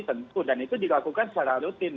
tentu dan itu dilakukan secara rutin